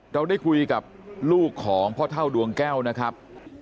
เราได้คุยกับลูกของพ่อเท่าดวงแก้วนะครับ